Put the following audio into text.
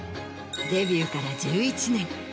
デビューから１１年。